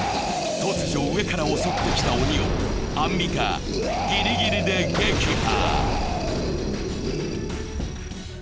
突如、上から襲ってきた鬼をアンミカ、ぎりぎりで撃破。